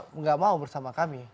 tidak mau bersama kami